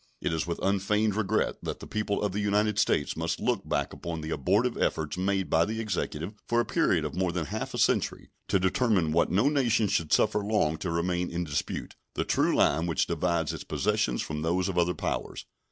It is with unfeigned regret that the people of the United States must look back upon the abortive efforts made by the Executive, for a period of more than half a century, to determine what no nation should suffer long to remain in dispute the true line which divides its possessions from those of other powers.